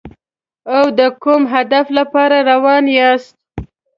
او د کوم هدف لپاره روان یاست.